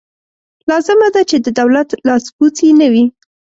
لازمه ده چې د دولت لاسپوڅې نه وي.